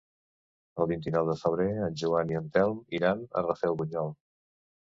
El vint-i-nou de febrer en Joan i en Telm iran a Rafelbunyol.